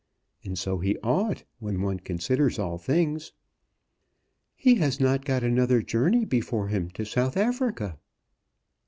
And so he ought, when one considers all things." "He has not got another journey before him to South Africa."